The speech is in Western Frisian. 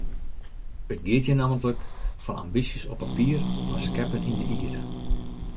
It giet hjir nammentlik fan ambysjes op papier nei skeppen yn de ierde.